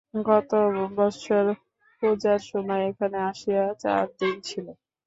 গত বৎসর পূজার সময় এখানে আসিয়া চার দিন ছিল।